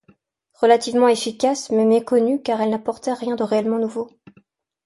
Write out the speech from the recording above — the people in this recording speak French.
Relativement efficace, mais méconnue car elle n'apportait rien de réellement nouveau.